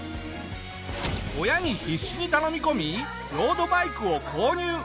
親に必死に頼み込みロードバイクを購入。